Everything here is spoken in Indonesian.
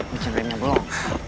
bicara remnya belom